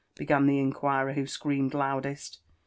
began the inquirer who screamed loudest.